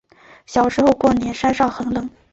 小时候过年山上很凉